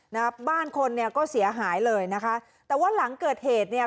นะครับบ้านคนเนี่ยก็เสียหายเลยนะคะแต่ว่าหลังเกิดเหตุเนี่ย